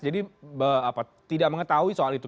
jadi tidak mengetahui soal itu